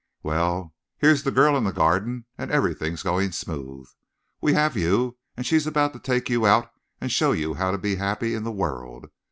"Well, here's the girl in the Garden, and everything going smooth. We have you, and she's about to take you out and show you how to be happy in the world.